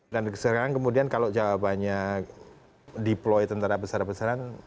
dan sekarang kemudian kalau jawabannya deploy tentara besar besaran